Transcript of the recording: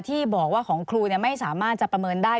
ที่บอกว่าของครูไม่สามารถจะประเมินได้